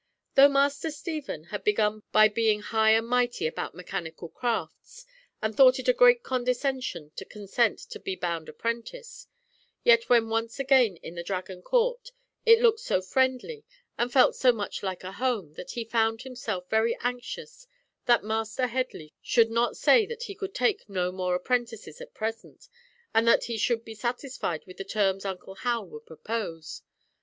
Though Master Stephen had begun by being high and mighty about mechanical crafts, and thought it a great condescension to consent to be bound apprentice, yet when once again in the Dragon court, it looked so friendly and felt so much like a home that he found himself very anxious that Master Headley should not say that he could take no more apprentices at present, and that he should be satisfied with the terms uncle Hal would propose.